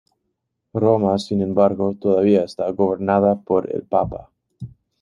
Roma, sin embargo, todavía está gobernada por el Papa.